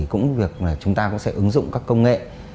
chúng ta cũng sẽ ứng dụng các công nghệ